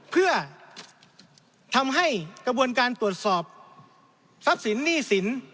เพื่อทำให้กระบวนการตรวจสอบทรัพย์สินหนี้สิน